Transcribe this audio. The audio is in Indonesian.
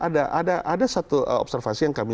ada ada satu observasi yang kami